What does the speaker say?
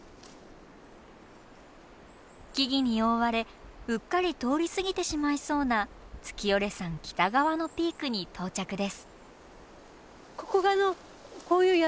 木々に覆われうっかり通り過ぎてしまいそうな月居山北側のピークに到着です。